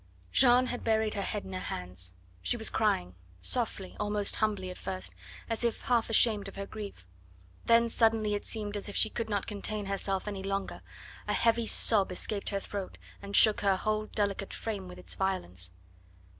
Jeanne had buried her head in her hands. She was crying softly, almost humbly at first, as if half ashamed of her grief; then, suddenly it seemed, as if she could not contain herself any longer, a heavy sob escaped her throat and shook her whole delicate frame with its violence.